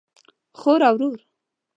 خور او ورور